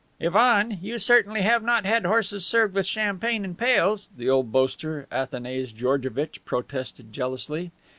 "Ivan, you certainly have not had horses served with champagne in pails," the old boaster, Athanase Georgevitch, protested jealously.